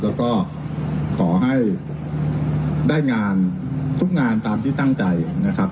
แล้วก็ขอให้ได้งานทุกงานตามที่ตั้งใจนะครับ